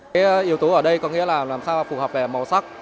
cái yếu tố ở đây có nghĩa là làm sao phù hợp về màu sắc